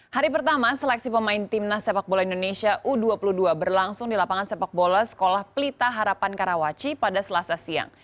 hari pertama seleksi pemain timnas sepak bola indonesia u dua puluh dua berlangsung di lapangan sepak bola sekolah pelita harapan karawaci pada selasa siang